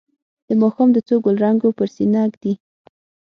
د ماښام د څو ګلرنګو پر سینه ږدي